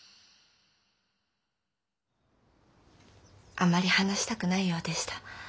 あまり話したくないようでした。